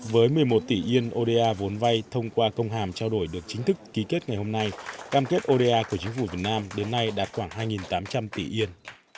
với một mươi một tỷ yên oda vốn vay thông qua công hàm trao đổi được chính thức ký kết ngày hôm nay cam kết oda của chính phủ việt nam đến nay đạt khoảng hai tám trăm linh tỷ yên